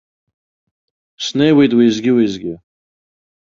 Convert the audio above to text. Снеиуеит уеизгьы-уеизгьы!